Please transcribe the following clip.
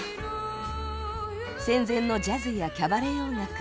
戦前のジャズやキャバレー音楽